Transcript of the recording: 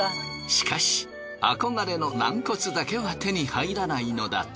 しかし憧れのナンコツだけは手に入らないのだと。